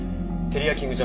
テリヤキング！？